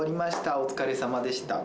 お疲れさまでした」。